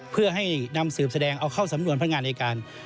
เพื่อให้นำสืบแสดงเอาเข้าสำนวนพนักงานในการ